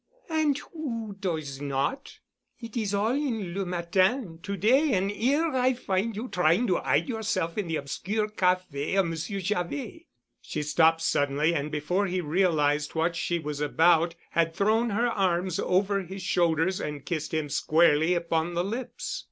"And who does not? It is all in le Matin to day—an' 'ere I find you trying to 'ide yourself in the obscure café of Monsieur Javet." She stopped suddenly and before he realized what she was about had thrown her arms over his shoulders and kissed him squarely upon the lips.